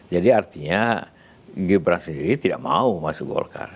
jadi artinya gibran sendiri tidak mau masuk golkar